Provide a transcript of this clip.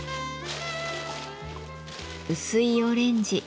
薄いオレンジ